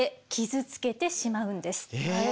え！